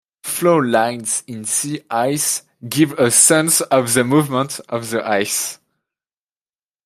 Flow lines in sea ice give a sense of the movement of the ice.